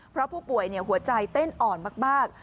เพราะผู้ป่วยหัวใจเต้นอ่อนมาก